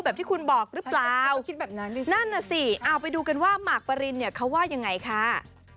ที่คุณบอกหรือเปล่านั่นน่ะสิเอาไปดูกันว่าหมากปรินเนี่ยเขาว่ายังไงค่ะ